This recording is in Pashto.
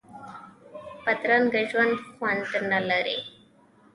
بدرنګه ژوند خوند نه لري